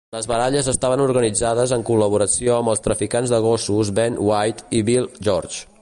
Les baralles estaven organitzades en col·laboració amb els traficants de gossos Ben White i Bill George.